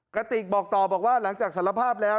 กระติกบอกต่อบอกว่าหลังจากสารภาพแล้ว